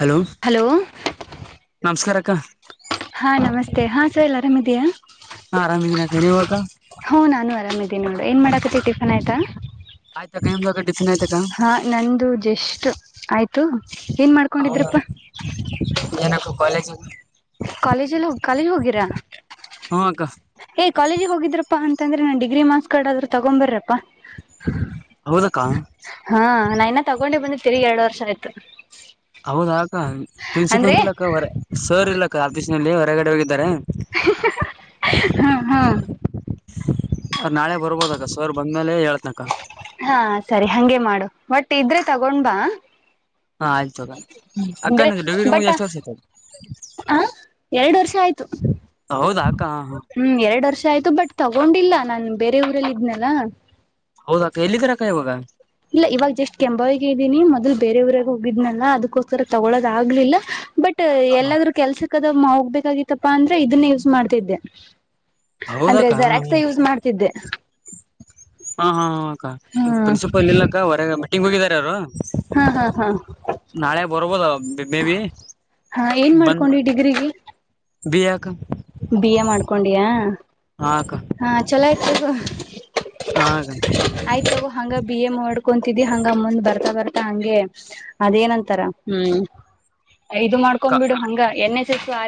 Hello ನಮ್ಸ್ಕಾರ ಸಿಕ್ಕ ಹಾ ನಮಸ್ತೆ ಹಾ ಸರ್ ಆರಾಮ್ ಇದೆಯಾ ಹಾ ಆರಾಮಿದೀನ ಅಕ್ಕ ನೀವ ಅಕ್ಕ ಹ ನಾನು ಆರಾಮ್ ಇದೀನ್ ನೋಡು ಏನ್ ಮಾಡಕತ್ತಿ ಟಿಫನ್ ಆಯ್ತಾ ಆಯ್ತಾ ನಿಮ್ದ ಡಿಫನ್ ಆಯ್ ಹಾ ನಂದು ಜಷ್ಟ್ ಆಯ್ತು ಏನ್ ಹೌದಾ ಮಾಡ್ಕೊಂಡಿದ್ರಪ್ಪಾ ಏನಕ್ಕ ಕಾಲೇಜ್ ಕಾಲೇಜಲ್ಲೋಗ ಕಾಲೇಜ್ ಹೋಗಿರಾ ಹ್ಮ ಅಕ್ಕ ಏ ಕಾಲೇಜಿಗೆ ಹೋಗಿದ್ರಪ್ಪಾ ಅಂತಂದ್ರೆ ನಾನ್ ಡಿಗ್ರಿ ಮಾರ್ಸ್ ಕಾದರು ತಗೊ ಬರ್ರಪ್ಪಾ ಹೌದಕ್ಕ ಹಾ ನಾ ಇನ್ನ ತಗೊಂಡೆ ಬಂದತೀರಿ ಎರಡು ವರ್ಷ ಆಯ್ತು ಹೌದಾ ಹ ಪ್ರಿನ್ಸಿಪಲ್ ಅಂದ್ರೆ ಇಲ್ಲಕ್ಕರ ಸರ್ ಇಲ್ಲಕ್ಕ ಅ ಲ್ಲಿ ಹೊರಗಡೆ ಹೋಗಿದ್ದಾರೆ ಹಾ ಹಾ ಅ ನಾಳೆ ಬರ್ಬೋದ ಅಕ್ಕ ಸರ್ ಬಂದ್ಮೇಲೆ ಹೇಳ್ತ್ನಕ ಹಾ ಸರಿ ಹಗೆ ಮಾಡು ಬಟ್ ಇದ್ರೆ ತಗೊಂಡ್ ಬಾ ಹಾ ಆಯ್ತ ತಗೋ ಅಕ್ಕನ ಡುಗರಿ ಮು ಎಷ್ಟು ವರ್ಷ ಆಯಿತು ಹ ಎರಡು ವರ್ಷ ಆಯ್ತು ಹೌದಾ ಅಕ್ಕ ಹ್ಮ್ ಎರಡು ವರ್ಷ ಆಯ್ತು ಬಟ್ ತಗೊಂಡಿಲ್ಲ ನಾನ್ ಬೇರೆ ಊರಲ್ಲಿ ಇದ್ನೆಲ್ಲ ಹೌದ ಅಕ್ಕ ಎಲ್ಲಿದ್ದರ ಅಕ್ಕ ಇವಾಗ ನಿ ಮೊದಲು ಬೇರೆೆಯವಊರಾಗ ಹೋಗಿದ್ನಲ್ಲ ಅದಕ್ಕೋಸ್ಕರ ತಗೊಳೋದ ಆಗ್ಲಿಲ್ಲ ಬಟ್ ಟ್ ಎಲ್ಲದ ಕೆಲ್ಸಕ್ಕದ ಹೋಗ್ಬೇಕಾಗಿತ್ತಪ್ಪಾ ಅಂದ್ರೆ ಇದನ್ನ ಯೂಸ್ ಮಾಡ್ತಿದ್ದೆ ಅಂದ್ರೆ ಹೌದಕ್ಕ ಜಝೆರಾಕ್ಸ ಯೂಸ್ ಮಾಡ್ತಿದ್ದೆ ಹಾ ಹಾ ಅಕ್ಕ ಪ್ರಿನ್ಸಿಪಲ್ ಇಲ್ಲ ಅಕ್ಕ ಹೊರಗೆ ಮೀಟಿಂಗ್ ಹೋಗಿದರೆಅವರು ಹಾ ಹಾ ಹಾ ಬರ್ಬದ ಹಾ ಏನ್ ಮಾಡ್ಕೊಂಡಿ ಡಿಗ್ರಿಗಿ ಬಿ ಯಕ ಬಿ ಯಾಮಾಡ್ಕೊಂಡಿಯ ಹಾ ಅಕ್ಕ ಹಾ ಚಲೋ ಆಯ್ತ್ ತೊಗೊ ಹಾ ಅಕ್ಕ ಆಯ್ತಗೋ ಹಂಗ ಬಿ ಎ ಮಾಡಡ್ಕೊತಿದ್ದಿ ಹಂಗ ಮುಂದ್ ಬರ್ತ ಬರ್ತಾ ಹಂಗೆ ಅದೇನಂತಾರ ಹ್ಮ್ ಇದು ಮಾಡ್ಕೊ ಬಿಡು ಹಂಗ ಎನ್ ಸ್ ಆ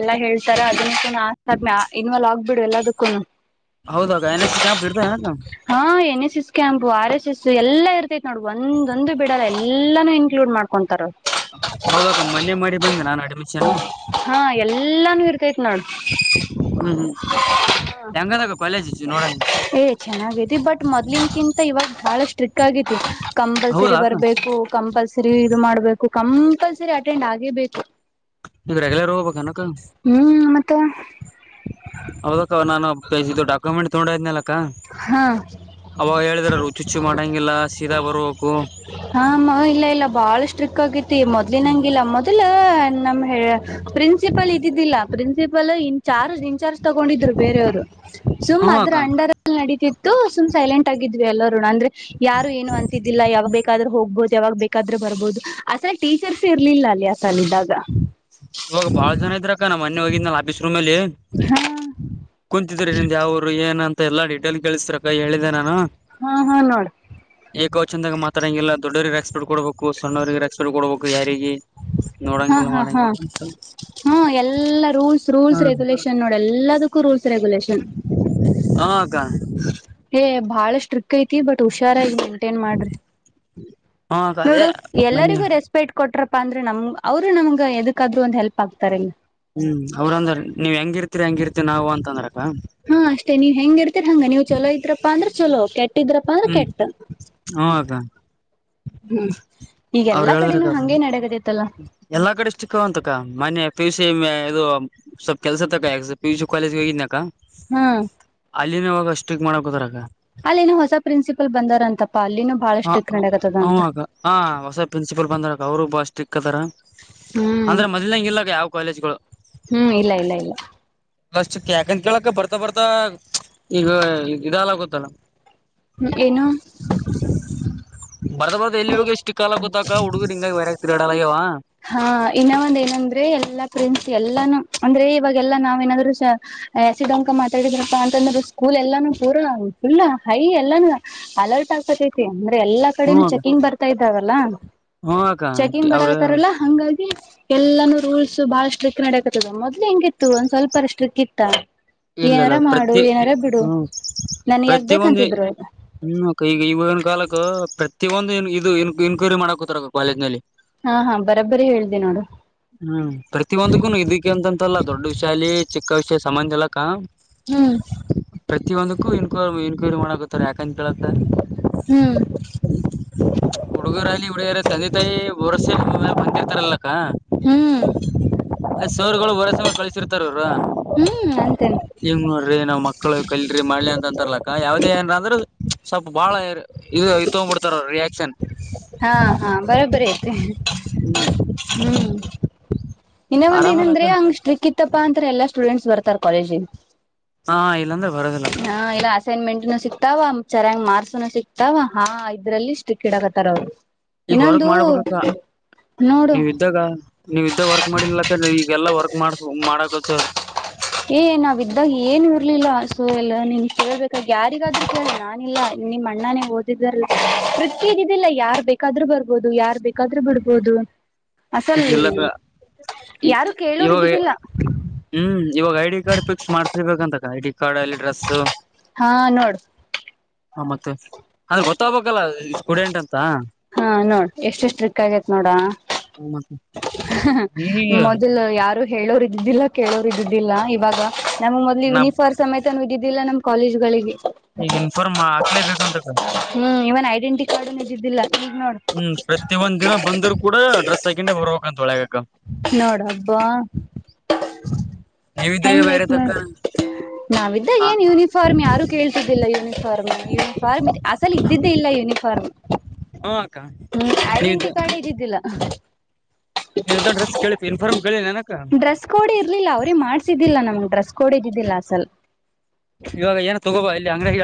ಎಲ್ಲ ಹ ಹೇಳ್ ತರ ಅದ್ರ ನ ಇನ್ ವಲಾ ಬಿಡು ಎಲ್ಲದಕ್ಕೂ ಹೌದಾಗ ಎನ್ ಎಸ್ ಸಿ ಕ್ಯಾಪ್ ಇರ್ತ ಏನಕ ಹಾ N S camp R S S ಎಲ್ಲಾ ಇರ್ತೈತ್ ನೋಡ್ ಒಂದೊಂದು ಬಿಡಲ್ಲ ಎಲ್ಲಾನು ಇನ್ಕ್ಲೂಡ್ ಮಾಡ್ಕೊಂತಾರ ಹೌದಕ್ಕ ಮೊನ್ನೆ ಮಾಡಿ ಬಂದು ನಾನು ಅಡ್ಮಿಷನ್ ಹಾ ಎಲ್ಲಾನು ಇರ್ತೈತ್ ನೋಡ್ ಹ್ಮ ಏ ಚೆನ್ನಾಗತಿ ಬಟ್ ಮೊದ್ಲಿನಕಿಂತ ಇವಾಗ ಬಾಳಷ್ಟು ಕಂಪಲ್ಸರಿ ಹೌದಾ ಅಕ್ಕ ಬರ್ಬೇಕು ಕಂಪಲ್ಸರಿ ಇದು ಮಾಡ್ಬೇಕು ಕಂಪಲ್ಸರಿ ್ರೆಂಡ್ ಆೇ ಬೇಕು ನೀವ್ ರೆಗ್ಯುಲರ್ ಹೋಗ್ಬೇಕ ಅನಕ ತ್ತ ಹೌದ ನಾನ ಪೆಿ ಡಕ್ಯುಮೆಟ್ ತದಲ್ಲ ಹಾ ಹೇಳಿದ್ರರು ಹುಚ್ಚುಚ್ಚು ಮಾಡಂಗಿಲ್ಲ ಸೀದಾ ಬರ್ಬೇಕು ಹ ಇಲ್ಲ ಇಲ್ಲ ಬಾಳ ಸ್ಟ್ರಿಕ್ ಆಗೇತಿ ಮೊದ್ಲಿನಂಗಿಲ್ಲ ಮೊದ್ಲ ನಮ ಹೇಳ ಪ್ರಿನ್ಸಿಪಲ್ ಇದ್ದಿದ್ದಿಲ್ಲ ಪ್ರಿನ್ಸಿಪಲ್ ಮ ಇನ್ಚಾರ್ಜ ಇನ್ಚಾರ್್ ತಗೊಂಡಿದ್ರು ಬೇರೆಯವರು ಸುಮ್ ಹ್ಮ ಅದ್ರ ಅಕ್ಕ ಅಂಡರ್ ನಡತಿತ್ತು ಸುಮ್ ಸೈಲೆಂಟ್ ಆಗಿದ್ವಿ ಎಲ್ಲರೂ ಅಂದ್ರೆ ಯಾರು ಏನು ಅಂತಿದ್ದಿಲ್ಲ ಯಾವ ಬೇಕಾದ್ರ ಹೋಗ ಹೋಗ್ಬೋದು ಯಾವಾಗ್ ಬೇಕಾದ್ರೂ ಬರ್ಬೋದು ಅಸಲ್ ಟೀಚರ್ಸ್ ಇರ್ಲಿಲ್ಲ ಅಲ್ಲಿ ಅಸಲ್ ಇದ್ದಾಗ ಇವಾಗ ಬಾಳ ಜನ ಇದ್ರಕ್ಕ ನಮ್ಮ ಮನೆ ಹೋಗಿದನಾ ಆಫೀಸ್ ರೂಮ್ ಅಲ್ಲಿ ಹಾ ಕುಂತಿದ್ರ ನಿಂದು ಯಾವರು ಏನ್ ಏನ ಅಂತ ಎಲ್ಲಾ ಡಿಟೇಲ್ ಕೇಳಿಸಸ್ರ ಹೇಳಿದೆೆ ನಾನು ಹಾ ಹಾ ನೋಡ ಏಕ್ ಚಂದಾಗ ಮಾತಾಡಂಗಿಲ್ಲ ದೊಡ್ಡವರಿಗೆ ರೆಕ್ಸ್ಪೆಕ್ಟ್ ಕೊಡ್ಬೇಕು ಸಣ್ಣವ್ರರಿಗೆ ರೆಸ್ಪೆಕ್ಟ್ ಕೊಡ್ಬೇಕು ಯಾರಿಗೆ ಹಾ ನೋಡಂಗಿಲ್ಲ ಹಾ ಹಾ ಮಾಡಂಗಿಲ್ಲ ಅಂತ ಹ್ಮ ಎಲ್ಲಾ ರೂಲ್ಸ್ ಹ ರೂಲ್ಸ್ ರೆಗ್ಯುಲೇಷನ್ ನೋಡ ಎಲ್ಲದಕ್ಕೂ ರೂಲ್ಸ್ ರೆಗ್ಯುಲೇಷನ್ ಕ ಹೇ ಬಹಳ ಸ್ಟ್ರಿಕ್ ಐತಿ ಬಟ್ ಹುಷಾರಾಗಿ ಮೇಂಟೈನ್ ಮಾಡ್ರಿ ಹ ಅಕ್ಕ ಅದೇ ನೋಡು ಬನ್ನಿ ಎಲ್ಲರಿಗೂ ರೆಸ್ಪೆಕ್ಟ್ ಕೊಟ್ರ ಪ್ಪ ಅಂದ್ರೆ ನಮ್ ಅವರು ನಮ್ಗೆ ಎದಕ್ಕಾದ್ರು ಒಂದ್ ಹೆಲ್ಪ್ ಆಗ್ತಾರಲ್ಲ ಹ್ಮ್ ಅವ್ರ ಅಂದ್ರ ನೀವ್ ಹೆಂಗಿರ್ತಿೀರಿ ಹೆಂಗಿರ್ತತಿರಿ ನಾವು ಅಂತಂದ್ರಕ್ಕ ಹಾ ಅಷ್ಟೇ ನೀವ್ ಹೆಂಗ ಇರ್ತೀರಿ ಹಂಗ ನೀವು ಚೊಲೋ ಇದ್ರಪ್ಪ ಅಂದ್ರೆ ಚಲೋ ಕೆಟ್ಟ ಕೆಟ್ಟಿದ್ರಪ್ಪಾ ಅಂದ್ರ ಹ್ಮ್ ಹ ಅವ್ರ ಈಗೆಲ್ಲಾ ಕಡೆನೂ ಹೇಳುದ್ರಕ್ಕ ಹಂಗೆ ನಡಗದೈತ್ತಲ್ಲ ಎಲ್ಲಾ ಕಡೆಷ್ಟಿಕ್ಕಂತಕ್ಕ ಮನ್ಯ ಪಿ ಯುಸ ಮ ಇದು ಸ್ವಲ್ ಕೆಲಸ ತ ಪಿ ಯುಸಿ ಕಾಲೇಜ್ ಹೇಗಿದಿನಾ ಹ್ಮ ಹಾಗ ಸಿಕ್ ಮಾಡಕ ಹದ್ರಾಗ ಅಲ್ಲಿನು ಹೊಸ ಪ್ರಿನ್ಸಿಪಲ್ ಬಂದಾರಂತಪ್ಪ ಹ ಹಗ ಹ ಹೊಸ ಪ್ರಿನ್ಸಿಪಾಲ್ ಬಂದಾರಕ್ಕ ಅವರು ಬ ಅಷ್ಟ ಚಿಕ್ಕ ದರ ಹ್ಮ್ ಅಂದ್ರೆ ಮೊದ್ಲಂಗ ಇಲ್ಲಕ ಯಾವ ಹ್ಮ್ ಇಲ್ಲ ಇಲ್ಲ ಇಲ್ಲ ಕಾಲೇಜ್ಗಳುಸ್ ಯಾಕಂತ ಕೇಳಕ ಬರ್ತ ಬರ್ತಾ ಬರ್ತಾ ಈಗ ಇದಲ್ಲಗತ್ತಲ್ಲ ಹ್ಮ ಏನು ಬರ್ದ ಬಾರ ಎಲ್ಲಿ ಇವಾಗ ಎಷ್ಟು ಕಾಲಕೂತಕ ಹುಡುಗರು ಹಂಗ ಬೇ ಕಡಲ್ಲಯವಾ ಹಾ ಇನ್ನ ಒಂದ ಏನಂದ್ರೆ ಎಲ್ಲಾ ್ರೆಂಡ್ಸ್ ಎಲ್ಲಾನು ಅಂದ್ರೆ ಇವಾಗೆಲ್ಲಾ ನಾವ ಏನಾದ್ರು ಆಸಿಡ್ ಅಂಕ ಮಾತಾಡಿದ್ರಪ್ಪಾ ಅಂತಂದ್ರರು ಸ್ಕೂಲ್ ಎಲ್ಲಾನು ಪೂರ ಫುಲ್ ಹೈ ಎಲ್ಲಾನು ಅಲರ್ಟ್ ಆಗ್ಕತೈತಿ ಅಂದ್ರೆ ಎಲ್ಲ ಕಡೆೆಯೂ ಚೆಿಂಗ್ ಬರ್ತಾದೆ ಇದಾವಲ್ಲ ಹ್ಮಕ ಅವ್ರ ತರಲ್ಲ ಹಂಗಾಗಿ ಎಲ್ಲಾನೂ ರೂಲ್ಸ್ ಬಹಳ ಸ್ಟ್ರಿಕ್ ನಡಕತ್ತದ ಮೊದ್ಲು ಹೆಂಗಿತ್ತು ಒಂದ್ ಸ್ವಲ್ಪ ಸ್ಟ್ರಿಕ್ ಇತ್ತ. ಏನಾರ ಇಲ್ಲಲ್ಲ ಮಾಡು ಪ್ರತಿ ಏನಾರ ಬಿಡು ಹ್ಮ ನನ್ ಯಾಕ್ ಪ್ರತಿೊಂದು ಬೇಕಂತಿದ್ರು ಹ್ಮ ಈಗ ಇವಿನ ಕಾಲಕ್ಕ ಪ್ರ ಒಂದು ಏನ್ ಇದುನ್ ಇನ್ಕ್ವೈರಿ ಮಾಡಕೊತರ ಕಾಲೇ್ನಲ್ಲಿ ಹಾ ಹಾ ಬರಬ್ಬರಿ ಹೇಳ್ದಿ ನೋಡು ಹ್ಮ್ ಪ್ರತಿಯೊಂದಕ್ಕೂನು ಇದಕ್ಕೆ ಅಂತಂತಲ್ಲ ದೊಡ್ಡ ವಿ ಶಾಲಿ ಚಿಕ್ಕ ವಿಷ ಸಮಾಮಂಜಲ ಕ ಪ್ರತಿಯೊಂದಕ್ಕೂ ಇನ್ವ ಇನ್ಕ್ವೈರಿ ಮಾಡುತ್ತೆ [inaudible] ಅಂತ ಹೇಳುತ್ತ ಹುಡುಗರಲ್ಲಿ ಹುಡುಿಯರ ತಂದೆ ತಾಯಿ ವರ್ಷೆ ಬಂದಿರ್ತರಲ್ಲ ಸರ್ಗಳು ಹೊರ ಸರ್ ಕ ತಿತರು ಹ ಹ್ಮ್ ಅಂತೇನ್ ಹಂಗ ನೋಡ್ರಿ ನಾವ್ ಮಕ್ಳು ಕಲ್ರಿ ಮಿ ಅಂತ ಅಂತರ್ಲಕ್ಕ ಯಾವ್ದೇ ಏನ್ರ ಅಂದ್ರ ಸ್ವಲ್ಪ ಬಾಳ ಇ ಇದು ಇ ತಗ್ ಬಿಡ್ತಾರ ರಿಯಾಕ್ಷನ್ ಹಾ ಹಾ ಬರೋಬ್ಬರಿ ಐತೆ ಹ್ಮ್ ಇನ್ನೊ ಒಂದ ಆರಾಮಲ್ಲಕ್ಕ ಏನಂದ್ರೆ ಅಂಗ್ರಿಕ್ ಇತ್ತು ಇತ್ತಪ್ಪಾ ಅಂತ್ರ ಎಲ್ಲಾ ಸ್ಟೂಡೆಂಟ್ಸ್ ಬರ್ತಾರೆ ಕಾಲೇಜಿಗೆ ಹಾ ಇಲ್ಲಾಂದ್ರೆ ಬರೋದಿಲ್ಲಕ್ಕ ಹಾ ಇಲ್ಲ ಅಸೈನ್ಮೆಂಟ್ ಸಿಕ್ತ ಸಿತಾವ ಚೆ ಮಾರ್ಸೋಣ ಸಿಕ್ತಾವ ಹಾ ಇದ್ರಲ್ಲಿ ಇಷ್ಟು ಕಿಡಕತ್ತಾರ ಅವ್ರು ಈಗ ವರ್ಕ್ ಇನ್ನೊಂದು ಮಾಡ್ಬೇಕಕ್ಕ ನೋಡು ನೀವ ಇದ್ದಾಗ ನೀವ ಇದ್ದ ವರ್ಕ್ ಮಾಡಿಲ್ಲಕ್ಕ ಈಗೆಲ್ಲ ವರ್ಕ್ ಮಾಡ್ಸ ಮಾಡಕಚಾ ಏ ನಾವ ಇದ್ದಾಗ ಏನು ಇರ್ಲಿಲ್ಲ ಸೊ ಎಲ್ಲ ನೀನ್ ಕೇಳ್ಬೇಕಾಗಿ ಯಾರಿಗಾದ್ರು ಕೇಳಿ ನಾನಿಲ್ಲಾ ನಿಮ್ಮ ಅಣ್ಣಾನೇ ಓದಿದಾರ ಪ್ರೃತಿಯಗಿದ್ದಿಲ್ಲ ಯಾರ್ ಬೇಕಾದ್ರೂ ಬರ್ಬೋದು ಯಾರ್ ಬೇಕಾದ್ರೂ ಬಿಡ್ಬೋದು ಅಸಲ್ ಈಗರ್ಲಕ್ಕ ಈ ಯಾರು ಕೇಳೋರ್ ಇವಾಗ ಇದ್ದಿದ್ದಿಲ್ಲ ಹ್ಮ್ ಇವಾಗ ಐಡಿ ಕಾರ್ಡ್ ಪಿಸ್ ಮಾಡ್ರ್ಬೇಕ ಅಂತ ಗ ಕಡಲಿ ಡ್ರೆಸ್ಸು ಹಾ ನೋಡ್ ಹ ಮತ್ತೆ ಅವರಿಗೆ ಗೊತ್ತಾಗಬೆಕ್ ಹಾ ನೋಡ್ ಎಷ್ಟು ಸ್ಟ್ರಿಕ್ ಆಗೇತ್ ನೋಡ ಹತ್ತ ಮೊದಲು ಯಾರು ಹೇಳೋರ ಇದ್ದಿದ್ದಿಲ್ಲ ಕೇಳೋರು ಇದಿದ್ದಿಲ್ಲ ಇವಾಗ ನಮ್ ಮೊದ್ಲು ನಾ ಇನಿಫರ್ ಸಮೇತ ಇದಿದ್ದ ಇದಿಲ್ಲ ನಮ್ ಕಾಲೇಜ್ಗಳಿಗೆ ಈಗ ಇನ್ಫಾರ್ಮ್ ಆಕ್ಲೇಬೇಕುಂತ ಕ ನಿಜಿದ್ದಿಲ್ಲ ಹ್ಮ್ ಪ್ರತಿಯೊಂದ್ ದಿನ ಬಂದ್ರು ಕೂಡ ಡ್ರೆಸ್ ಹಾಕೊಂಡೆ ಬರ್ಬೇಕಂತ ಒಳ್ಳೆಗಕ ನೋಡ ಹಬ್ಬಾ ನೀವಿದ್ದಾಗ ಹೆಂಗೈತ ಬೇರೆ ತಕ್ಕ ನೊಡ್ ನಾವಿದ್ದಾಗ ಹ ಏನ್ ಯೂನಿಫಾರ್ಮ್ ಯಾರು ಕೇಳ್ತಿದ್ದಿಲ್ಲ ಯೂನಿಫಾರ್ಮ್ ಯೂನಿಫಾರ್ಮ್ ಅಸಲ್ ಇದ್ದಿದ್ದೇ ಇಲ್ಲ ಯೂನಿಫಾರ್ಮ್ ಹಾ ಅಕ್ಕ ಹ್ಮ್ ನೀವಿದ್ದ ಐಡೆಂಟಿ ಕಾರ್ಡ್ ಇದಿದ್ದಿಲ್ಲ ನೀವ್ದ ಡ್ರೆಸ್ ಕೇಳಿ ಇನ್ಫಾರ್ಮ್ ಕೇಳಿ ನನಕ ಡ್ರೆಸ್ ಕೋಡ್ ಇರ್ಲಿಲ್ಲ ಅವ್ರೀ ಮಾಡ್ಸಿದ್ದಿಲ್ಲ ನಮ್ಗೆ ಡ್ರೆಸ್ ಕೊಡಿದ್ದಿದ್ದಿಲ್ಲ ಅಸಲ್ ಇವಾಗ ಏನ ತಗೋಬ ಇಲ್ಲಿ ಅಂಗಡಿ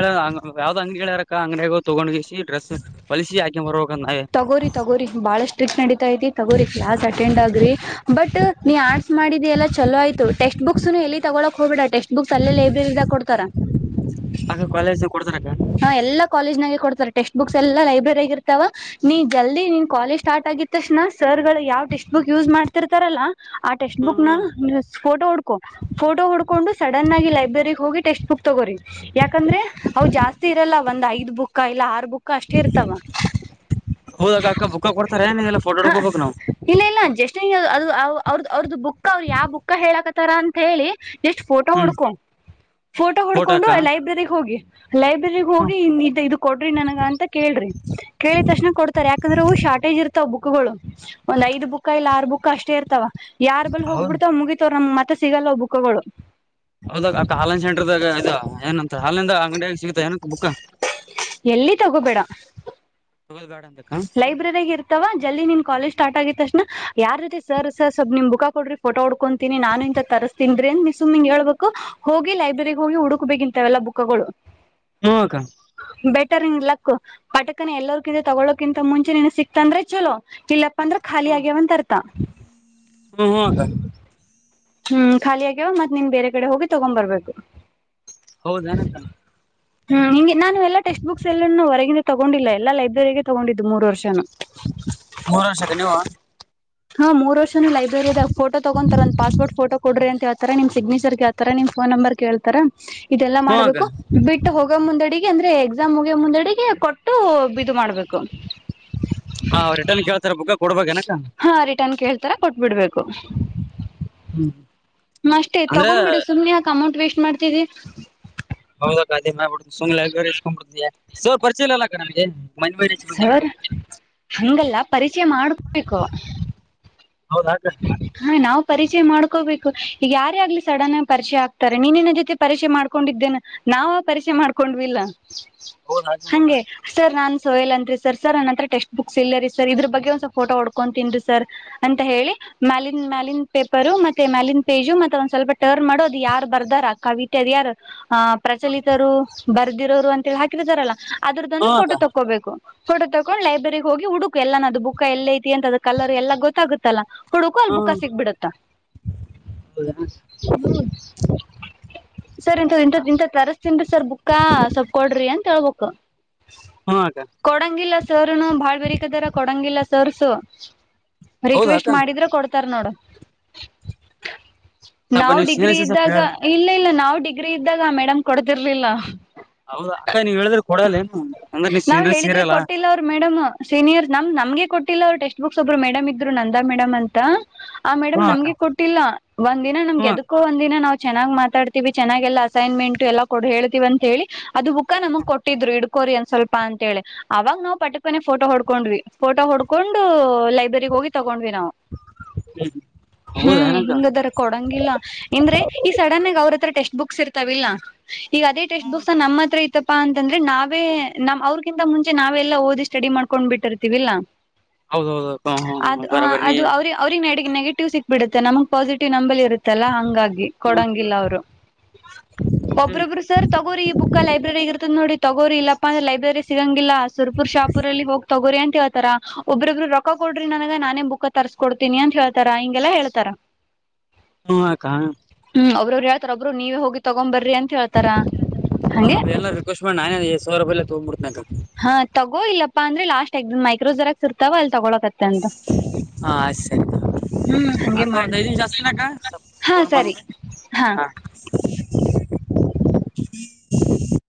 ಯಾವ್ದ್ ಅಂಗಡಿಗಳ ಅರಕ ಅಂಗಡಿಗ ತಗೊಂಡ್ವಿಗೆಸಿ ಡ್ರೆಸ್ ಬಲಿಸಿ ಆಕೆ ಬರೋಬೆಕ್ ತಗೋರಿ ತಗೋರಿ ಬಾಳ ಸ್ಟ್ರಿಕ್ಟ್ ನಡಿತೈತಿ ತಗೋರಿ ಕ್ಲಾಸ್ ಅಟೆಂಡ್ ಆಗ್ರಿ ಬಟ್ ನೀ ಆರ್ಟ್ಸ್ ಮಾಡಿದ ಎಲ್ಲ ಚಲೋ ಆಯ್ತು ಟಕ್ಸ್ಟ್ ಬುಕ್ಸ್ ಎಲ್ಲಿ ತಗೊಳಕ್ [unintelligible] ಟೆಕ್ಸ್ಟ್ ಬುಕ್ಸ್ ಅಲ್ಲೇ ಲೈಬ್ರರಿದಾಗ ಕೊಡ್ತಾರ ಅಕ್ಕ [inaudible] ಹ ಎಲ್ಲಾ ಕಾಲೇಜ್ ನಾಗೆ ಕೊಡ್ತಾರೆ ಟೆಕ್ಸ್ಟ್ ಬುಕ್ಸ್ ಎಲ್ಲಾ ಲೈಬ್ರರಿ ಆಗಿರ್ತಾವ ನೀ ಜಲ್ದಿ ನಿನ್ ಕಾಲೇಜ್ ಸ್ಟಾರ್ಟ್ ಆಗಿದ ತಕ್ಷಣ ಸರ್ ಗಳು ಯಾವ್ ಟೆಸ್ಟ್ ಬುಕ್ ಯೂಸ್ ಮಾಡ್ತಿರ್ತಾರಲ್ಲಾ ಆ ಟೆಕ್ಸ್ಟ್ ಹ್ಮ್ ಬುಕ್ ನ ಹ್ಮ್ ಫೋಟೋ ಹಡ್ಕೋ ಫೋಟೋ ಹುಡ್ಕೊಂಡು ಸಡನ್ ಆಗಿ ಲೈಬ್ರರಿ ಹೋಗಿ ಟೆಕ್ಸ್ಟ್ ಬುಕ್ ತೊಗೋರಿ ಯಾಕಂದ್ರೆ ಜಾಸ್ತಿ ಇರಲ್ಲ ಒಂದ್ ಐದ್ ಬುಕ್ಕ ಇಲ್ಲ ಆರ್ ಬುಕ್ಕ ಅಷ್ಟೇ ಇರ್ತವ ಹೌದಾಗ ಅಕ್ಕ ಬುಕ್ಕ ಕೊಡ್ತಾರೆ ನೀಲ್ಲಾ ಫೋಟೋ [unintelligible] ಹ ಹೋಗಬೇಕ್ ನಾವು ಇಲ್ಲ ಇಲ್ಲ ಜಸ್ಟ್ ಅದು ಅವ್ರದ ಅವ್ರದ್ದ ಬುಕ್ ಅವ್ರರು [unintelligible] ಯಾವ ಬುಕ್ ಹೇಳಕತಾರ ಅಂತ ಹೇಳಿ ಎಷ್ಟಟ್ ಫೋಟೋ ಹ್ಮ್ ಹಡ್ಕೊ ಫೋಟೋ ಹುಡ್ಕೊಂಡು ಲೈಬ್ರಗ್ ಹೋಗಿ ಲೈವ [unintelligible] [unintelligible] ಹ್ಮ್ ಹೋಗಿ ಇದು ಕೊಡ್ರಿ ನನಗ ಅಂತ ಕೇಳ್ರಿ ಕೇಳಿದ ತಕ್ಷಣ ಕೊಡ್ತಾರೆ ಯಾಕಂದ್ರೆ ಶಾರ್ಟೇಜ್ ಇರ್ತ ತ ಬುಕುಗಳು ಒಂದ್ ಐದು ಬುಕ್ ಇಲ್ಲ ಆರು ಬುಕ್ ಕಷ್ಟೇ ಇರ್ತವ ಯಾರ್ ಬಂದು ಹೌದ್ ಹೋಗ್ಬಿಡ್ತಾವ್ ಮುಗಿತವ್ ನಮ್ ಮತ್ [unintelligible] ಮತ್ತ ಸಿಗಲ್ಲವ ಬುಕ್ಕಗಳು ಹೌದ ಅಕ್ಕ ಆನ್ಲೈನ್ ಸೆಂಟರ್ದಾಗ ಇದ ಏನಂತ ಹಾಲಿಂದ ಅಂಗಡಿಯಾಗ ಸಿಗತ ಏನ ಬುಕ್ ಎಲ್ಲಿ ತಗೋಬೇಡ ಗಾರ್ಡ್ [unintelligible] ಲೈಬ್ರೆರಿಗ ಇರ್ತವ ಜಲ್ದಿ ನಿನ್ ಕಾಲಜ್ ಸ್ಟಾರ್ಟ್ ಆಗಿತ್ತ ತಕ್ಷಣ ಯಾರ್ ಜೊತೆ ಸರ್ ಸರ್ ಸ್ವಲ್ ನಿಮ್ ಬುಕ್ ಕೊಡ್ರ ಫೋಟೋ ಹುಡ್ಕೊಂತೀನಿ ನಾನು ಇಂತ ತರಿಸಸ್ತಿಂದ್ರಿ ನಿನ್ ಸುಮ್ಮ್ನೆ ಇಂಗ್ [unintelligible] ಹೇಳ್ಬೇಕು ಹೋಗಿ ಲೈಬ್ರೆರಿಗ್ ಹೋಗಿ ಹುಡುಕ್ಬೇಕಿಂತವೆ ಎಲ್ಲ ಬುಕ್ಕಗಳು ಹು ಅಕ್ಕ ಬೆಟರ್ ಇನ್ ಲಕ್ ಪಟಕನ ಎಲ್ಲಗ ತಗೊಳ್ಳ [unintelligible] ಕಿಂತ ಮುಂಚೆ ನೀನ ಸಿಕ್ತ ಅಂದ್ರೆ ಚಲೋ ಇಲ್ಲಪ್ಪ ಅಂದ್ರ ಖಾಲಿ ಹ್ಮ್ ಆಗ್ಯವಂತ ಅರ್ತ [unintelligible] ಹ್ಮ್ ಖಾಲಿ ಆಗ್ಯವ ಮತ್ [unintelligible] ನಿಮ್ ಬೇರೆ ಕಡೆ ಹೋಗಿ ತಗೊ ಬರ್ಬೇಕು ಹೌದೆನ್ನಕ್ಕ ಹ್ಮ್ ಹಿಂ ನಾನು ಎಲ್ಲ ಟೆಕ್ಸ್ಟ್ ಬುಕ್ಸ್ ಎಲ್ಲೂ ಹೊರಗಿಂದ ತಗೊಂಡಿಲ್ಲ ಎಲ್ಲ ಲೈಬ್ರರಿಗೆ ತಗೊಂಡಿದ್ದು ಮೂರು ವರ್ಷನು ಮೂರು ವರ್ಷಕ್ಕೆ ನೀವು ಹಾ ಮೂರು ವರ್ಷ ಲೈಬ್ರರಿದ [unintelligible] ಫೋ ತಗೊಂತರಂತ ಫೋಟೋ ಕೊಡ್ರ ಅಂತ ಹೇಳ್ತರ ನಿಮ್ ಸಿಗ್ನೇಚರ್ ಕೇಳ್ತಾರ ನಿಮ್ ಫೋನ್ ನಂಬರ ಕೇಳ್ತಾರ ಇದೆಲ್ಲಾ ಹ್ಮ ಅಕ್ಕ ಮಾಡ್ಬೇಕು ಬಿಟ್ಟು ಹೋಗೋ ಮುಂದಡಿ ಅಂದ್ರೆ ಎಕ್ಸಾಮ್ ಹೋಗಿ ಮುಂದೆಡೆಗೆ ಕೊಟ್ಟ ಟು ಇದು ಮಾಡ್ಬೇಕು ಆ ರಿಟರ್ನ್ ಕೇಳ್ತಾರ ಬುಕ್ ಕೊಡ್ಬೇಕೇನಕ್ಕ ಹ ರಿಟನ್ ಕ [unintelligible] ತರ ಕೊಟ್ಬಿಡ್ಬೇಕು ಅಷ್ಟೇ [unintelligible] ಅಂದ್ರ ತಗೊಬಿಡು ಸುಮ್ನೆ ಅಕಮಟ್ ವೇಸ್ಟ್ ಮಾಡ್ತಿದ್ದಿ ಹೌದಕ್ಕ [unintelligible] ಸರ್ ಪರಿಚಯಲ [unintelligible] ಇಲ್ಲಕ್ಕ ನನಗೆ ಮನೆ ಮನೆ ಹಚ್ಚಿ ಬಂದೆ ಅಂತ ಸರ್ ಹಂಗಲ್ಲ ಪರಿಚಯ ಮಾಡಬೇಕು. ಹೌದಾಕ ಹಾ ನಾವು. ಪರಿಚಯ ಮಾಡ್ಕೋಬೇಕು, ಈಗ ಯಾರೇ ಆಗ್ಲಿ ಸಡನ್ ಆಗಿ ಪರಿಚಯ ಆಗ್ತಾರೆ, ನೀನನ್ನ ಜೊತೆ ಪರಿಚಯ ಮಾಡ್ಕೊಂಡಿದ್ದೇನೆ ನಾವ ಪರಿಚಯ ಮಾಡ್ಕೊಂಡ್ವಿಲ್ಲ. ಹೌದಾಕ ಹಾಗೆ. ಸರ್ ನಾನ್ ಸೋಹಲ್ ಅನ್ ರೀ ಸರ್ ಸರ್ ನನ್ನ ಹತ್ರ ಟಕ್ಸ್ಟ್ ಬುಕ್ಸ್ ಇಲ್ಲ ರೀ ಸರ್, ಇದ್ರ ಬಗ್ಗೆ ಒಂದ್ಸಲ್ ಫೋಟೋ ಹೊಡ್ಕೊಂತನ್ರಿ ಸರ್ ಅಂತ ಹೇಳಿ. ಮ್ಯಾಲನ್ ಮ್ಯಾಲಿನ್ ಪೇಪರು ಮತ್ತೆ ಮ್ಯಾಲನ್ ಪೇಜು ಮತ್ತೆ ಒಂದ್ ಸ್ವಲ್ಪ ಟರ್ನ್ ಮಾಡೋ ಅದು ಯಾರು ಬರ್ದಾರ ಕವಿತೆ ಅದ ಯಾರ್ ಹ ಪ್ರಚಲಿತರು ಬ ಹದಿರೋರು ಅಂತಿ ಹಾಕಿರ್ತಾರಲ್ಲ. ಹಾ ಅದ್ರದ್ದಂದು ಫೋ ಅಕ್ಕ ತಗೋಬೇಕು ಫೋಟೋ ತಕೊಂಡ್ ಲೈಬ್ರರಿಗ್ ಹೋಗಿ ಹುಡುಕು ಎಲ್ಲ ನ ಅದು ಬುಕ್ ಎಲ್ಲ ಐತಿ ಅಂತ ಅ ಕಲರ್ ಎಲ್ಲ ಗೊತ್ತಾಗುತ್ತಲ್ಲಾ. ಹುಡುಕು ಅಲ್ ಹಾ ಬುಕ್ಕಾ ಸಿಕ್ಬಿಡತ್ತ ಸರ್ ಇಥ ಇಂಥ ತರಿಸಸ್ತನ್ರಿ ಸರ್ ಬುಕ್ಕಾ ಸೊಪ್ಪಕಡ್ರಿ ಅಂತ. ವುಕ ಹಾ ಅಕ್ಕ ಕೊಡಂಗಿಲ್ಲ ಸಾರನು ಬಾಳ್ ಬರಕದಾರ ಕೊಡಂಗಿಲ್ಲ. ಸರ್ಸು ರವೆಸ್ಟ್ ಹೌದಾಕ ಮಾಡಿದ್ರೆ ಕೊಡ್ ತರ್ ನೋಡು ಸ್ವಲ್ಪ ನಾವುನು ನೀವು ಡಿಗ್ರಿ ಸೀನಿಯರ್ಸ್ ಸ್ವಲ್ಪ ಇದ್ದಾಗ ಹೇಳ ಇಲ್ಲ ಇಲ್ಲ ನಾನ್- ಡಿಗ್ರಿ ಇದ್ದಾಗ ಮೇಡಮ್ ಕೊಡ್ತಿರ್ಲಿ. ಲ್ಲ ಹೌದಾ ಅಕ್ಕ ನೀವ್ ಹೇಳಿದ್ರೆ ಕೊಡಲ್ಲ ಏನು ಅಂದ್ರೆ ನೀವ್ ನಾವ್ ಸೀನಿಯರ್ಸ್ ಹೇಳಿದ್ರೆ ಇರಲ್ಲ ಕೊಟ್ಟಿಲ್ಲ ಅವರು ಮೇಡಮ್ ಸೀನಿಯರ್ ನಮ ನಮ್ಗೆ ಕೊಟ್ಟಿಲ್ಲ ಅವ್ರ ಟ ಎಷ್ಟ ಒಬ್ರು ಮೇಡ್ ಇದ್ರು ನ ಅ ಮೇಡಮ್ ಅಂತ ಆ ಮೇಡಮ್ ಹಾ ಅಕ್ಕ ನಮ್ಗೆ ಕೊಟ್ಟಿಲ್ಲ ಒಂದಿನ ನಮ್ಗೆ ಹ್ಮ್ ಅದಕ್ಕೋ ಒಂದಿನ ನಾವ್ ಚನ್ನಾಗ್ ಮಾತಾಡ್ತಿವಿ, ಚೆನ್ನಾಗ ಎಲ್ಲಾ ಅಸೈನ್ಮೆಂಟ್ ಎಲ್ಲಾ ಕೊ ಹೇತತಿವ ಅಂತ ಹೇಳಿ ಅದು ಬುಕ್ಕ ನಮಗ್ ಕೊಟ್ಟಿದ್ರು ಇಡ್ಕೋರಿ ಒನ್ ಸ್ವಲ್ಪ ಅಂತೇಳಿ ಅವಾಗ ನಾವು ಪಟ್ಕನೆ ಫೋಟೋ ಹೊಡ್ಕೊಂಡ್ವಿ ಫೋಟೋ ಹೊಡ್ಕೊಂಡು ಲೈಬ್ರರಿಗ್ ಹೋಗಿ. ಹ್ಮ್ ಹೌದೇನಕ್ಕ ಹಿಂಗದರ ಕೊಡಂಗಿಲ್ಲ ಅಂದ್ರೆ ಈ ಸಡನ್ ಆಗ ಅವ್ರತ್ರ ಟೆಸ್ಟ್ ಬುಕ್ ಇರ್ತಾವಿಲ್ಲ ಈಗ ಅದೆ ಟೆಸ್ಟ್ದದು ಸಾ ನಮ್ ಇತ್ರ ಪ್ಪಾ ಅಂತಂದ್ರೆ ನಾವೇ ನಮ್ ಅವ್ರಗಿಂತ ಮುಂಚೆ ನಾವೇ ಎಲ್ಲಾ ಓದಿ ಸ್ಟಡಿ ಮಾಡ್ಕೊಂಡ್ ಬಿಟ್ಟಿರ್ತೀವಿಲ್ಲಾ ಹೌದೌದು. ಅಕ್ಕ ಹ್ಮ್ ಅದು ಹ ಬರಬರಿ ನೀ ಅದು ಅವ್ರ ಅವ್ರ ನಡೆ ನೆಗೆಟಿವ್ ಸಿಕ್ಬಿತ್ತೆಮ ಪಾಸಟಿವ್ ನಂಬಲ್ಲಿ ಇರು ತ್ತಲ್ಲಾ ಹಂಗಾಗಿ ಕೊಡಂಗಿಲ್ಲ ಅವರು ಹ್ಮ್ ಒಬ್ರೊಬ್ರು ಸರ್ ತಗೋರಿ ಈ ಬುಕ್ ಲೈಬ್ರರಿಗ ಇರ್ತದ ನೋಡಿ. ತಗೋರಿ ಇಪ್ಪಂದ್ರ ಲೈಬ್ರರಿ ಸಿಗಂಗ ಇಲ್ಲ ಹಸುಪುರ್ ಶಾಪುರಲ್ಲಿ ಹೋಗಿ ತಗೋರಿ ಏಂತ. ತ್ತ್ ಆತರ ಒಬ್ರೊಬ್ಬರು ರೊಕ್ಕ ಕೊಟ್ ನನಗ ನಾನೇ ಬುಕ್ ತರ್ಸ್ಕೊಡ್ತೀನಿ ಅಂತ ಹೇಳ್ತಾರ ಹಿಂಗೆಲ್ಲಾ ಹೇಳ್ತಾರ. ಹ್ಮ ಅಕ. [unintelligible] ನೀವೆ ಹೋಗಿ ತಗೊಂಬರ್ ಹ ಎಲ್ಲ ರಿಕ್ವೆಸ್ಟ್ ಮಾಡಿ ನಾನೇ ಐದು ಸಾವಿರ ರೂಪಾಯಿಲ್ಲ ತಗೊಂದ್ಬಿಡ್ತೀನಕ. ಹಾ ತಗೋ ಇಲ್ಲಪ್ಪಾ ಅಂದ್ರೆ ಲಾಸ್ಟ್ ಎಕ್ ಮೈಕ್ರೋ ಜರಕ್ಸ್ ಇರ್ತವ ಅಲ್ಲಿ ತೊಗೊಳಕ್ ಹಾ ಸ ಹ್ಮ್ ಹಂಗೆ ಅಕ್ಕ ಒಂದ ಮಾಡು ಐದ ನಿಮಿಷ ಜಾಸ್ತಿನಾಕ ಸ್ ಹಾ ಪೊನ್ ಸರಿ ಬಂದ ಹಾ ಹ [unintelligible]